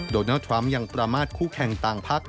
โดนัลดทรัมป์ยังประมาทคู่แข่งต่างพัก